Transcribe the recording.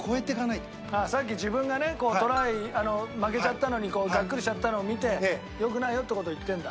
ああさっき自分がねトライ負けちゃったのにガックリしちゃったのを見て良くないよって事を言ってんだ。